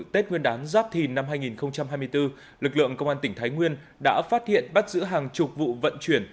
tết nguyên đán giáp thìn năm hai nghìn hai mươi bốn lực lượng công an tỉnh thái nguyên đã phát hiện bắt giữ hàng chục vụ vận chuyển